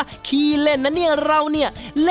ผมคินเล่นนะเอ้ยเราเนี่ย